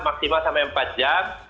maksimal sampai empat jam